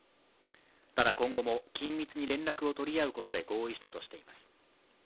ただ、今後も緊密に連絡を取り合うことで合意したとしています。